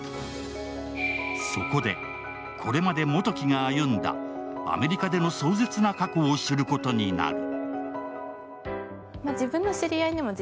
そこで、これまで基樹が歩んだアメリカでの壮絶な過去を知ることになる。